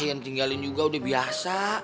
yang tinggalin juga udah biasa